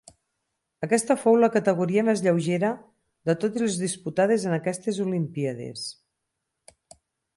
Aquesta fou la categoria més lleugera de totes les disputades en aquestes olimpíades.